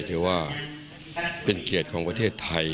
ถือว่าเป็นเกียรติของประเทศไทย